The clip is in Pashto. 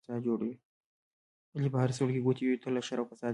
علي په هره سوړه کې ګوتې وهي، تل شر او فساد جوړوي.